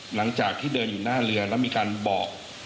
หลังจากที่เดินอยู่หน้าเรือแล้วมีการบอก